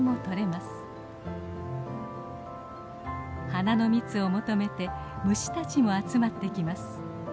花の蜜を求めて虫たちも集まってきます。